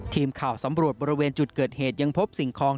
ทีมข่าวสำรวจบริเวณจุดเกิดเหตุยังพบสิ่งของ